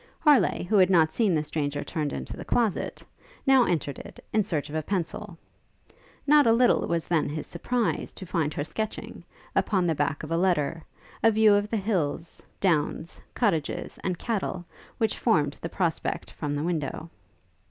Harleigh, who had not seen the stranger turned into the closet, now entered it, in search of a pencil. Not a little was then his surprize to find her sketching, upon the back of a letter, a view of the hills, downs, cottages, and cattle, which formed the prospect from the window.